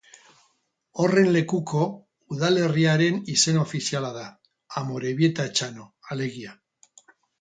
Horren lekuko udalerriaren izen ofiziala da, Amorebieta-Etxano alegia.